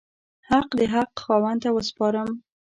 حق د حق خاوند ته وسپارم.